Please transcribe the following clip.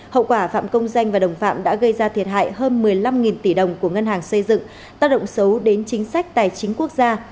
hậu quả phạm công danh và đồng phạm đã gây ra thiệt hại hơn một mươi năm tỷ đồng của ngân hàng xây dựng tác động xấu đến chính sách tài chính quốc gia